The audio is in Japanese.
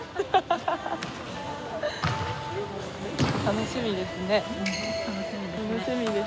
楽しみですね。